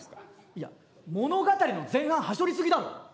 いや物語の前半はしょり過ぎだろ！